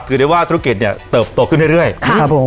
คือได้ว่าธุรกิจเนี่ยเติบโตขึ้นเรื่อยนะครับผม